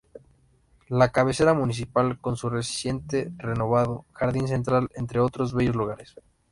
La cabecera municipal con su recientemente renovado jardín central entre otros bellos lugares.